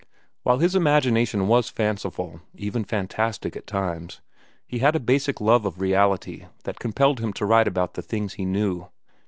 While his imagination was fanciful, even fantastic at times, he had a basic love of reality that compelled him to write about the things he knew.